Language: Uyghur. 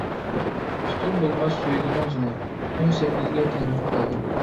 پۈتۈن بولماس سۆيگۈنىڭ جېنى، ئون سەككىزگە تەلمۈرۈپ كەلدىم.